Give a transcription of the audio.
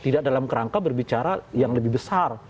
tidak dalam kerangka berbicara yang lebih besar